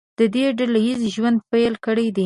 دوی ډله ییز ژوند پیل کړی دی.